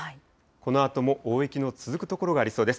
このあとも大雪の続く所がありそうです。